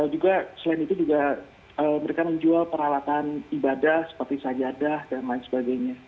juga selain itu juga mereka menjual peralatan ibadah seperti saja